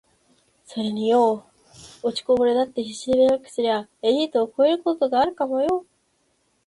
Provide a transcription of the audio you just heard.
｢それによ……落ちこぼれだって必死で努力すりゃエリートを超えることがあるかもよ｣